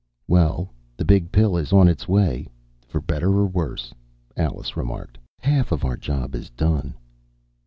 "Well, the Big Pill is on its way for better or worse," Alice remarked. "Half of our job is done."